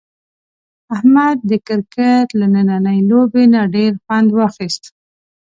احمد د کرکټ له نننۍ لوبې نه ډېر خوند واخیست.